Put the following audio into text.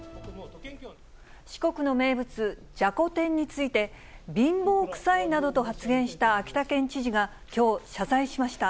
四国の名物、じゃこ天について、貧乏くさいなどと発言した秋田県知事がきょう、謝罪しました。